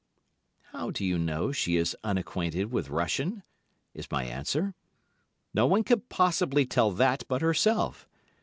"How do you know she is unacquainted with Russian?" is my answer; no one can possibly tell that but herself.